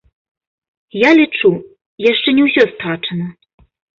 Я лічу, яшчэ не ўсё страчана.